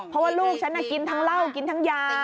เพราะว่าลูกฉันกินทั้งเหล้ากินทั้งยา